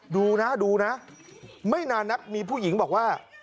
ดูนะดูนะไม่นานนักมีผู้หญิงบอกว่า